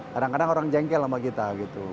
kadang kadang orang jengkel sama kita gitu